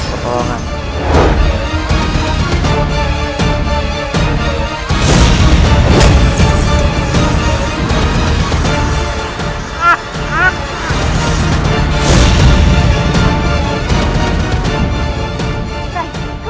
kenapa harus berhenti